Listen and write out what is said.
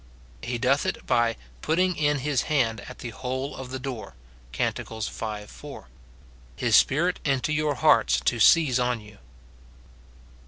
He doth it by " putting in his hand at the hole of the door," Cant. v. 4, — his Spirit into your hearts to seize on you.